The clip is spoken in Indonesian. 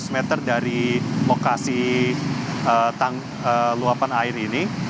lima ratus meter dari lokasi luapan air ini